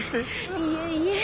いえいえ。